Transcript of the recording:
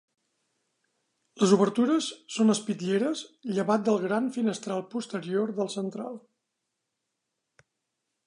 Les obertures són espitlleres llevat del gran finestral posterior del central.